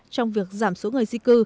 trong việc giảm số người di cư